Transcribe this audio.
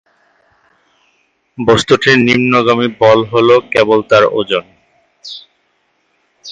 বস্তুটির নিম্নগামী বল হ'ল কেবল তার ওজন।